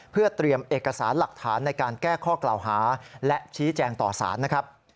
เพื่อเตรียมเอกสารหลักฐานในการแก้ข้อกล่าวหาและชี้แจงต่อสารนะครับ